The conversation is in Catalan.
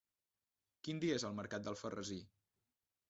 Quin dia és el mercat d'Alfarrasí?